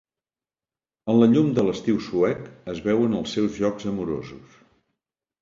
En la llum de l'estiu suec, es veuen els seus jocs amorosos.